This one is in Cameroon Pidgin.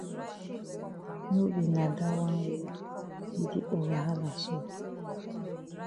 No be na dat wan wey yi di over hala so.